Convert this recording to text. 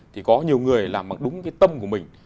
thì có nhiều người làm bằng đúng cái tâm của mình